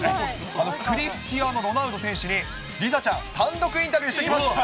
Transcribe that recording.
あのクリスティアーノ・ロナウド選手に、梨紗ちゃん、単独インタビューしてきました。